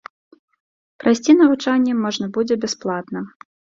Прайсці навучанне можна будзе бясплатна.